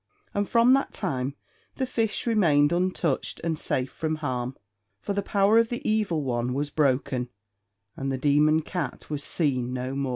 And from that time the fish remained untouched and safe from harm, for the power of the evil one was broken, and the demon cat was seen no more.